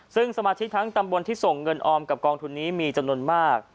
ซึ่งสมาชิกทั้งตำบลที่ส่งเงินออมกับกองทุนนี้มีจำนวนมาก